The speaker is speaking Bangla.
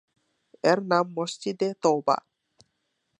এর নাম "মসজিদে তওবা"।